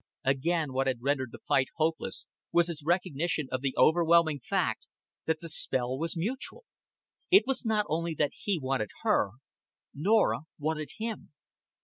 Again, what had rendered the fight hopeless was his recognition of the overwhelming fact that the spell was mutual. It was not only that he wanted her, Norah wanted him.